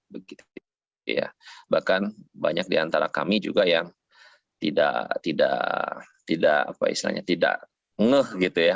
bahkan banyak di antara kami juga yang tidak ngeh